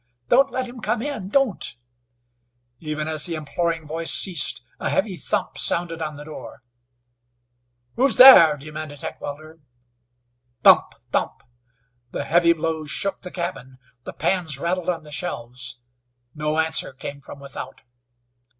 Don't let him come in! Don't!" Even as the imploring voice ceased a heavy thump sounded on the door. "Who's there?" demanded Heckewelder. Thump! Thump! The heavy blows shook the cabin. The pans rattled on the shelves. No answer came from without.